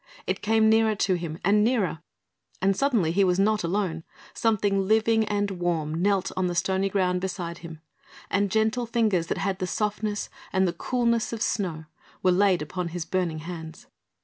It came nearer to him, and nearer, and suddenly he was not alone; something living and warm knelt on the stony ground beside him, and gentle fingers that had the softness and the coolness of snow were laid upon his burning hands.